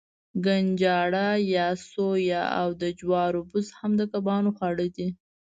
کنجاړه یا سویا او د جوارو بوس هم د کبانو خواړه دي.